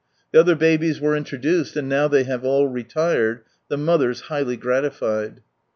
The other babies were introduced, and now they have all retired, the mothers highly gratified.